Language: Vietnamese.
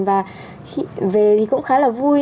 và về thì cũng khá là vui